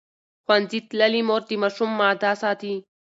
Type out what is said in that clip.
ښوونځې تللې مور د ماشوم معده ساتي.